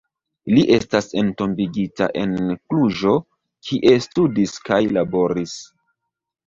Li estas entombigita en Kluĵo, kie studis kaj laboris.